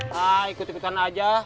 nah ikut ikutan aja